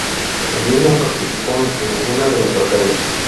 Él mismo participó en alguna de las batallas.